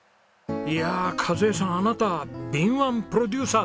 いや和枝さんあなた敏腕プロデューサーですね！